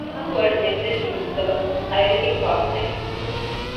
Some words may still use the Cyrillic soft sign.